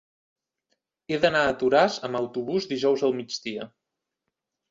He d'anar a Toràs amb autobús dijous al migdia.